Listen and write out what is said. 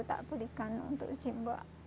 tak belikan untuk cimbuk